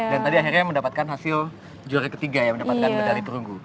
dan tadi akhirnya mendapatkan hasil juara ketiga ya mendapatkan medali perunggu